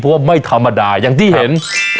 เพราะว่าไม่ธรรมดาอย่างที่เห็น